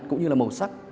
cũng như là màu sắc